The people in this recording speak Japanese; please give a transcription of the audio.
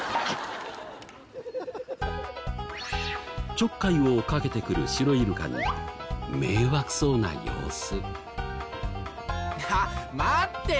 ちょっかいをかけてくるシロイルカに迷惑そうな様子。